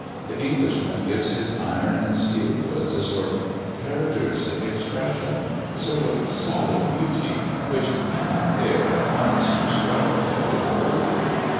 The Englishman gives his iron and steel goods a sort of characteristic expression, a sort of solid beauty, which cannot fail at once to strike every beholder.